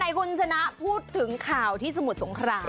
คุณชนะพูดถึงข่าวที่สมุทรสงคราม